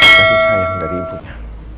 asi sayang dari ibunya